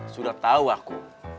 sudah tau aku